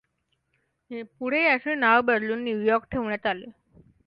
पुढे याचे नाव बदलुन न्यूयॉर्क ठेवण्यात आले.